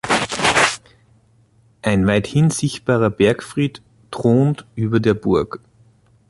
Ein weithin sichtbarer Bergfried thront über der Burg.